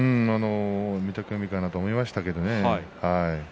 御嶽海かなと思いましたけれども。